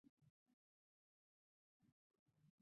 盐生棘豆为豆科棘豆属下的一个种。